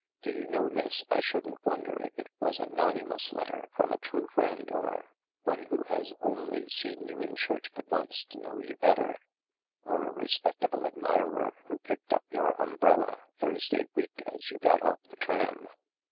Do you know, miss, I shouldn't wonder if it was a nonny mous letter from a true friend, or ' one who has only seen you in church but wants to know you better,' or ' a respec table admirer who picked up your umbrella.' Thursday week as you got oft the tram.